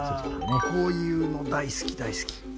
こういうの大好き大好き。